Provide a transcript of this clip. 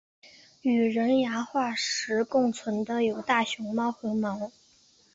与人牙化石共存的有大熊猫和貘。